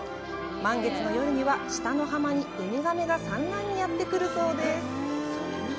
満月の夜には下の浜にウミガメが産卵にやってくるそうです